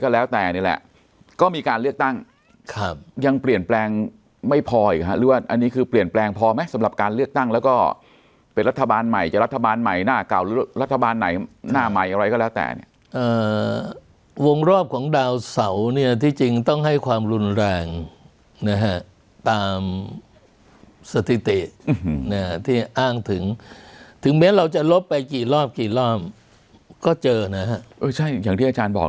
แล้วแต่นี่แหละก็มีการเลือกตั้งครับยังเปลี่ยนแปลงไม่พออีกฮะหรือว่าอันนี้คือเปลี่ยนแปลงพอไหมสำหรับการเลือกตั้งแล้วก็เป็นรัฐบาลใหม่จะรัฐบาลใหม่หน้าเก่าหรือรัฐบาลไหนหน้าใหม่อะไรก็แล้วแต่เนี่ยวงรอบของดาวเสาเนี่ยที่จริงต้องให้ความรุนแรงนะฮะตามสถิติที่อ้างถึงถึงแม้เราจะลบไปกี่รอบกี่รอบก็เจอนะฮะใช่อย่างที่อาจารย์บอก